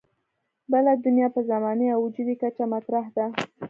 بله دنیا په زماني او وجودي کچه مطرح ده.